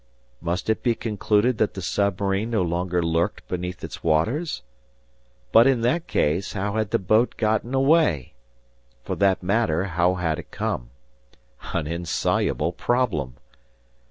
Must it be concluded that the submarine no longer lurked beneath its waters? But in that case, how had the boat gotten away? For that matter, how had it come? An insoluble problem!